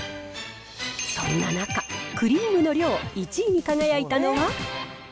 そんな中、クリームの量１位に輝いたのは？